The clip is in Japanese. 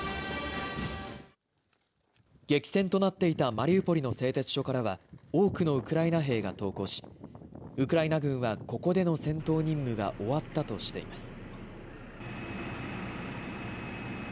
激戦となっていたマリウポリの製鉄所からは多くのウクライナ兵が投降し、ウクライナ軍はここでの戦闘任務が終わったとしています。